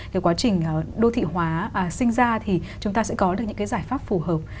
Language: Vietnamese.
cái quá trình đô thị hóa sinh ra thì chúng ta sẽ có được những cái giải pháp phù hợp